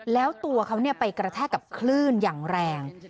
แล้วตัวเขาไปกระแทกกับคลื่นอย่างแรง